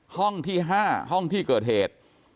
ห้องที่๕ห้องที่เกิดเหตุ